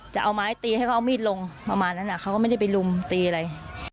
จะเอาไม้ตีให้เขาเอามีดลงประมาณนั้นเขาก็ไม่ได้ไปลุมตีอะไร